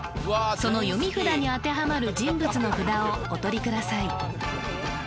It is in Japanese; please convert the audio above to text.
その読み札に当てはまる人物の札をおとりください